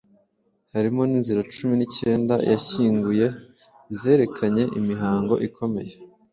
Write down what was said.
harimo n’inzira cumi nicyenda yashyinguye zerekeranye n’imihango ikomeye